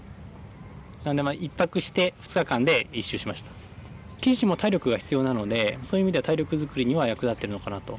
フルでやると棋士も体力が必要なのでそういう意味では体力作りには役立ってるのかなと。